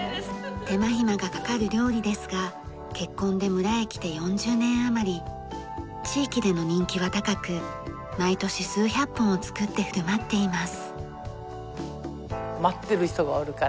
手間暇がかかる料理ですが結婚で村へ来て４０年余り地域での人気は高く毎年数百本を作って振る舞っています。